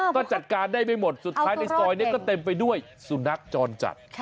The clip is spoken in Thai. ก็จัดการได้ไม่หมดสุดท้ายในซอยนี้ก็เต็มไปด้วยสุนัขจรจัด